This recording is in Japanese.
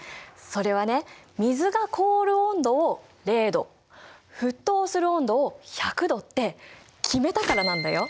それはね水が凍る温度を０℃沸騰する温度を１００℃って決めたからなんだよ。